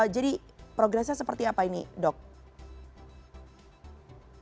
jadi progresnya seperti apa ini dok